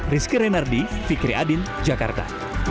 rizky renardi fikri adin jakarta